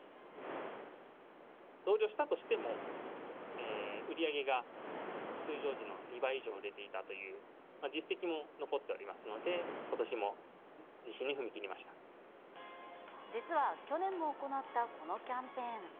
増量したとしても、売り上げが通常時の２倍以上売れていたという実績も残っておりますので、実は去年も行ったこのキャンペーン。